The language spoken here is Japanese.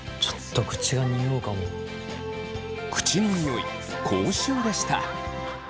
口のニオイ口臭でした。